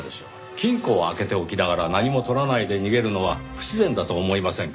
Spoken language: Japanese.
金庫を開けておきながら何も取らないで逃げるのは不自然だと思いませんか？